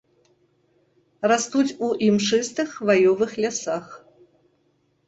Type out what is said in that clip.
Растуць у імшыстых хваёвых лясах.